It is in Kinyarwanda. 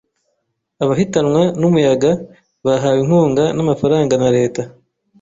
Abahitanwa n’umuyaga bahawe inkunga n’amafaranga na leta.